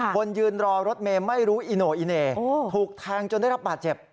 คนยืนรอรถเมย์ไม่รู้อีโน่อีเหน่ถูกแทงจนได้รับบาดเจ็บ